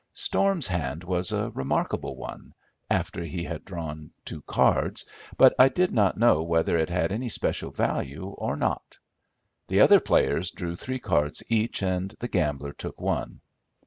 Storm's hand was a remarkable one, after he had drawn two cards, but I did not know whether it had any special value or not. The other players drew three cards each, and the gambler took one.